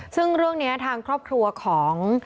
ซึ่งเรื่องนี้ทางครอบครัวของ